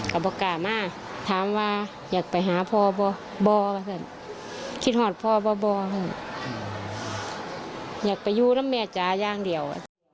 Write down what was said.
ก็ประกาศมาถามว่าอยากไปหาพ่อบ่อแบบคิดหอดพ่อบ่ออยากไปอยู่นะแม่จ๋าอย่างเดียว